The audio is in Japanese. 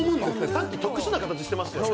さっき特殊な形してましたよね。